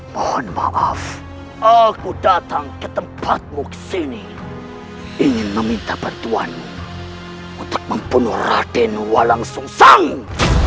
mohon maaf aku datang ke tempatmu kesini ingin meminta bantuanmu untuk membunuh raden walangsungsang